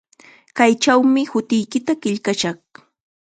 Kaychawmi hutiykita qillqashaq.